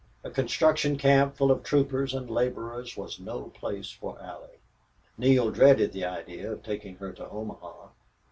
A construction camp full of troopers and laborers was no place for Allie. Neale dreaded the idea of taking her to Omaha.